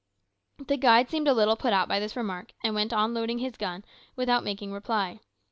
The guide seemed a little put out by this remark, and went on reloading his gun without making reply.